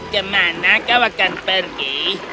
kemana kau akan pergi